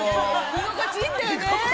◆居心地いいんだよね。